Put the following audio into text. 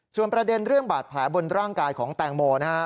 ส่วนประเด็นเรื่องบาดแผลบนร่างกายของแตงโมนะฮะ